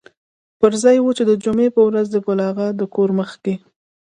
پر ځای و چې د جمعې په ورځ د ګل اغا د کور مخکې.